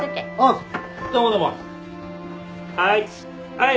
はい。